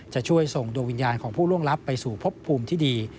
จะช่วยส่งดวงวิญญาณของผู้ล่วงลับไปสู่พบภูมิที่ดี